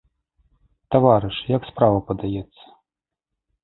Таварышы, як справа падаецца?